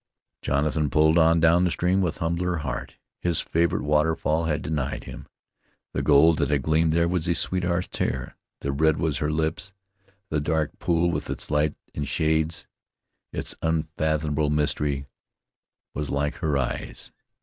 Jonathan pulled on down the stream with humbler heart. His favorite waterfall had denied him. The gold that had gleamed there was his sweetheart's hair; the red was of her lips; the dark pool with its lights and shades, its unfathomable mystery, was like her eyes.